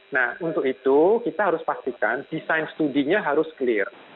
nah untuk itu kita harus pastikan design study nya harus clear